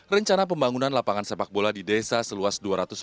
rencana pembangunan lapangan sepak bola di desa seluas